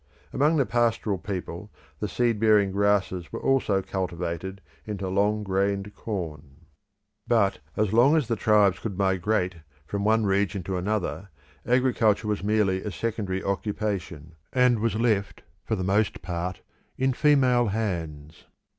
Among the pastoral people, the seed bearing grasses were also cultivated into large grained corn. But as long as the tribes could migrate from one region to another, agriculture was merely a secondary occupation, and was left, for the most part, in female hands.